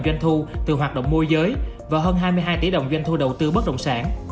doanh thu từ hoạt động môi giới và hơn hai mươi hai tỷ đồng doanh thu đầu tư bất đồng sản